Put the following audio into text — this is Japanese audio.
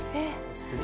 すてき。